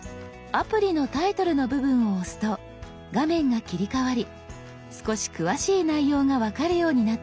アプリのタイトルの部分を押すと画面が切り替わり少し詳しい内容が分かるようになっています。